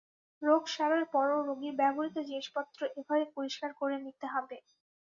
রোগ সারার পরও রোগীর ব্যবহূত জিনিসপত্র এভাবে পরিষ্কার করে নিতে হবে।